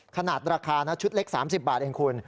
ขนาดราคานะชุดเล็ก๓๐บาทเองคุณ